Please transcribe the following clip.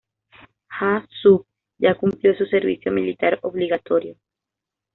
Ja-sug ya cumplió su servicio militar obligatorio.